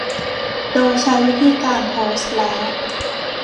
โดยใช้วิธีการโพสและ